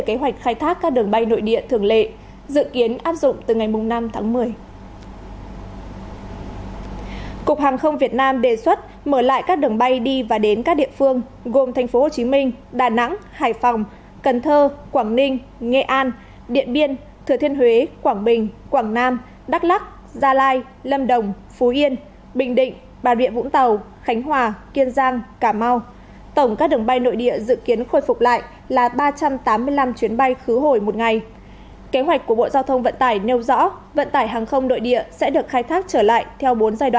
kế hoạch của bộ giao thông vận tải nêu rõ vận tải hàng không đội địa sẽ được khai thác trở lại theo bốn giai đoạn áp dụng với các địa phương đã nới lỏng biện pháp phòng chống dịch covid một mươi chín